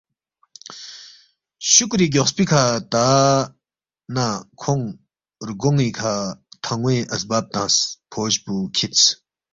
شُکُری گیوخسپی کھہ تا نہ کھونگ رگون٘ی کھہ تھن٘وے اسباب تنگس، فوج پو کِھدس